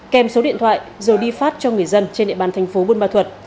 kèm số điện thoại rồi đi phát cho người dân trên địa bàn thành phố quân mạc thuật